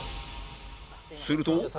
すると